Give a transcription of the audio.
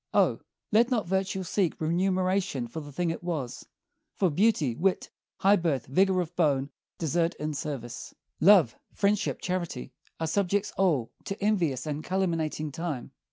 O! let not virtue seek Remuneration for the thing it was; for beauty, wit, High birth, vigor of bone, desert in service, Love, friendship, charity, are subjects all To envious and calumniating time.